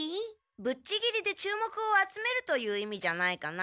ぶっちぎりで注目を集めるという意味じゃないかな？